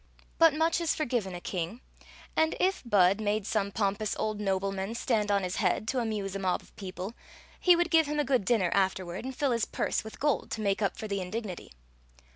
But much is forgiwn a king; and if Bud made some pompous old nobleman stand on his head, to amuse a mob of people, he would give Story of the Magic Cloak him a good dinner afterward and fill his purse with gold to make up for the indignity.